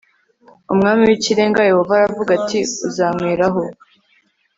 umwami w ikirenga yehova aravuga ati uzanywerayo